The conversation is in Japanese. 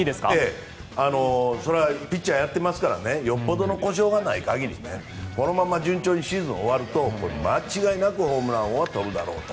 ピッチャーやってますからよっぽどの故障がない限りこのまま順調にシーズンを終わると間違いなくホームラン王をとるだろうと。